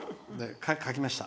書きました。